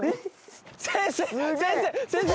先生先生！